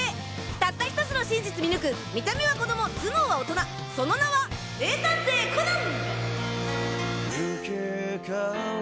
たった１つの真実見抜く見た目は子供頭脳は大人その名は名探偵コナン！